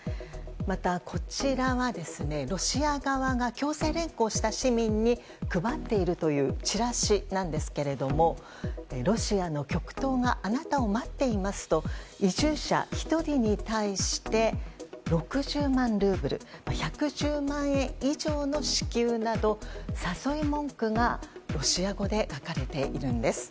また、こちらはロシア側が強制連行した市民に配っているというチラシなんですがロシアの極東があなたを待っていますと移住者１人に対して６０万ルーブル１１０万円以上の支給など誘い文句がロシア語で書かれているんです。